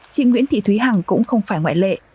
chị nguyễn thị thúy hằng cũng không phải ngoại lệ